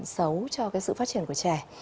sấu cho cái sự phát triển của trẻ